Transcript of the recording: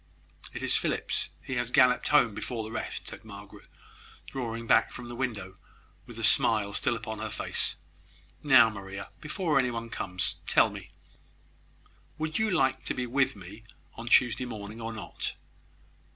"It is Philip's. He has galloped home before the rest," said Margaret, drawing back from the window with the smile still upon her face. "Now, Maria, before any one comes, tell me would you like to be with me on Tuesday morning or not?